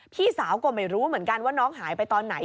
พี่สาวก็ไม่รู้เหมือนกันว่าน้องหายไปตอนไหน